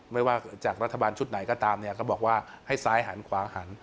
ไม่ว่าจากรัฐบาลชุดไหนก็ตามเนี่ยก็บอกว่าให้ซ้ายหันขวาหัน